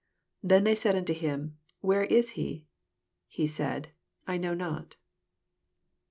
12 Then said they unto him, Where is he 7 He said, I know not.